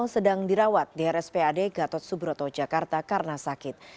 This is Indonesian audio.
sedang dirawat di rspad gatot subroto jakarta karena sakit